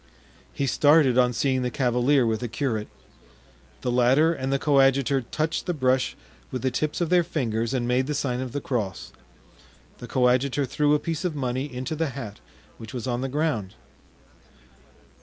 He started on seeing the cavalier with the curate. The latter and the coadjutor touched the brush with the tips of their fingers and made the sign of the cross; the coadjutor threw a piece of money into the hat, which was on the ground.